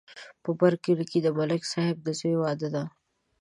په بر کلي کې د ملک صاحب د زوی واده دی